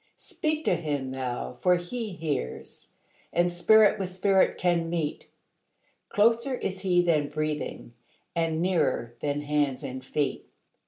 Speak to Him thou for He hears, and Spirit with Spirit can meet—Closer is He than breathing, and nearer than hands and feet.